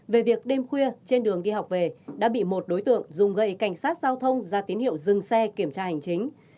về việc đêm khuya trên đường đi học về đã bị một đối tượng dùng gậy cảnh sát giao thông ra tín hiệu dừng xe kiểm tra hành chính